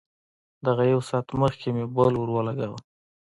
دغه يو ساعت مخکې مې بل ورولګاوه.